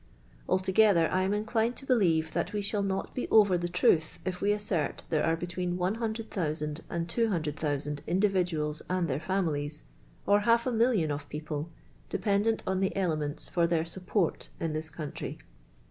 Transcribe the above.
Altoirether lam inclined to believe. that we shall not be over the truth if we ass ^rt tiii ro are between in0,0ui» and 20i»,iHM.t individuals ani their families, or h.alf a miilion of peoplt*, dep n dent on the elements for their support in this country.